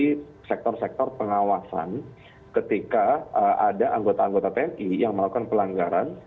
di sektor sektor pengawasan ketika ada anggota anggota tni yang melakukan pelanggaran